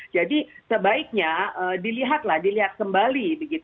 sebaiknya dilihatlah dilihat kembali